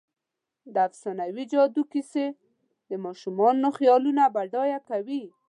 د افسانوي جادو کیسه د ماشومانو خیالونه بډایه کوي.